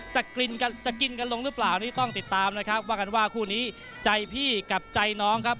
จะกินกันลงหรือเปล่านี่ต้องติดตามนะครับว่ากันว่าคู่นี้ใจพี่กับใจน้องครับ